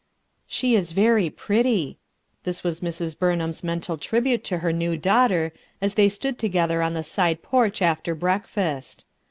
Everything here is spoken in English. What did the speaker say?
"She is very pretty," Tills was Mrs. Bum ham's mental tribute to her new daughter! as they stood together on the side porch after breakfast.